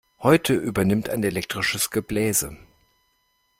Heute übernimmt ein elektrisches Gebläse.